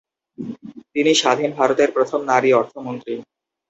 তিনি স্বাধীন ভারতের প্রথম নারী অর্থমন্ত্রী।